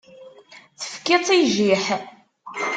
Tefkiḍ-tt i jjiḥ.